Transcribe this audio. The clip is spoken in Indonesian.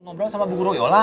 ngobrol sama bu guru yola